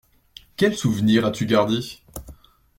Quel souvenir as-tu gardé?